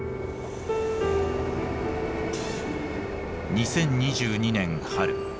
２０２２年春